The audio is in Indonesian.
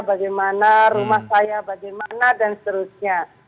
bagaimana rumah saya bagaimana dan seterusnya